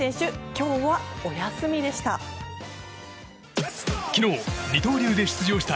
今日はお休みでした。